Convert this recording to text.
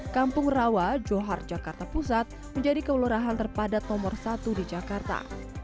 kampung rawa johar jakarta pusat menjadi kelurahan terpadat nomor satu di jakarta